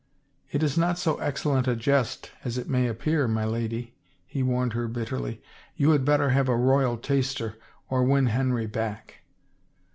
" It is not so excellent a jest as it may appear, my lady," he warned her bitterly. You had better have a royal taster — or win Henry back."